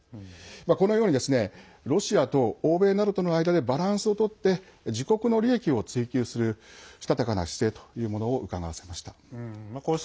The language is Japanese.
このようにロシアと欧米などとの間でバランスをとって自国の利益を追求するしたたかな姿勢というものをうかがわせました。